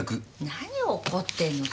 何怒ってるのさ？